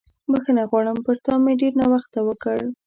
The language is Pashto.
بښنه غواړم، پر تا مې ډېر ناوخته وکړ.